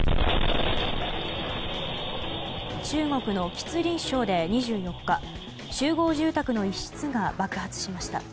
中国の吉林省で２４日集合住宅の一室が爆発しました。